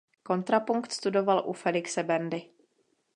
Kontrapunkt studoval u Felixe Bendy.